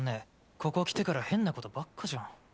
ここ来てから変なことばっかじゃん。